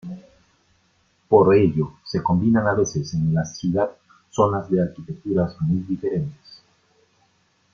Por ello se combinan a veces en la ciudad zonas de arquitecturas muy diferentes.